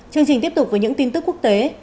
chương trình tiếp tục với những tin tức quốc tế